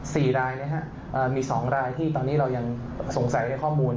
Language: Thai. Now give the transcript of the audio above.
สี่รายนะฮะเอ่อมีสองรายที่ตอนนี้เรายังสงสัยในข้อมูล